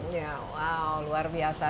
ya wow luar biasa